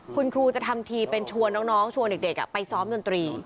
คุณครูจะทำทีเป็นชวนน้องชวนเด็กไปซ้อมดนตรี